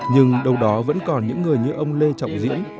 nhưng đâu đó vẫn còn những người như ông lê trọng diễn